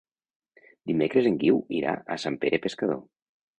Dimecres en Guiu irà a Sant Pere Pescador.